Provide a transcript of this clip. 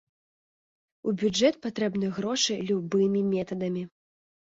У бюджэт патрэбны грошы любымі метадамі.